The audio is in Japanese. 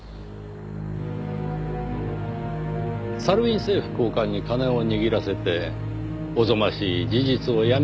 サルウィン政府高官に金を握らせておぞましい事実を闇に葬りました。